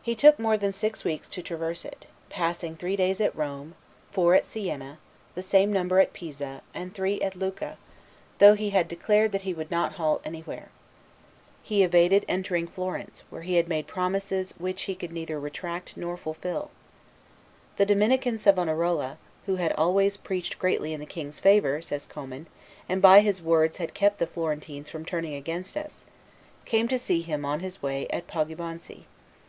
He took more than six weeks to traverse it, passing three days at Rome, four at Siena, the same number at Pisa, and three at Lucca, though he had declared that he would not halt anywhere. He evaded entering Florence, where he had made promises which he could neither retract nor fulfil. The Dominican Savonarola, "who had always preached greatly in the king's favor," says Commynes, "and by his words had kept the Florentines from turning against us," came to see him on his way at Poggibonsi.